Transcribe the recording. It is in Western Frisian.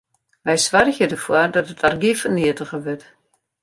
Wy soargje derfoar dat it argyf ferneatige wurdt.